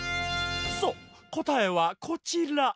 そうこたえはこちら。